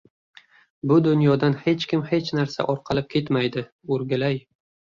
— Bu dunyodan hech kim hech narsa orqalab ketmaydi, o‘rgilay.